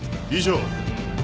以上。